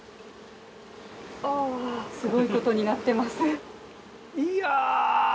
あすごいことになってますね。